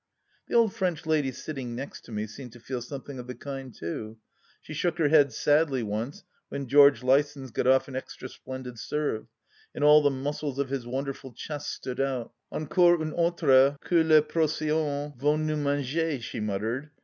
The old French lady sitting next to me seemed to feel something of the kind too. She shook her head sadly once when George Lysons got off an extra splendid serve, and all the muscles of his wonderful chest stood out; —" Encore un autre que les Prussiens vont nous manger !" she muttered.